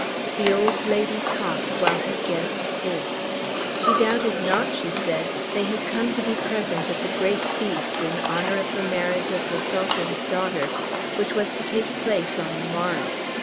The old lady talked while her guests ate. She doubted not, she said, they had come to be present at the great feast in honor of the marriage of the Sultan's daughter, which was to take place on the morrow.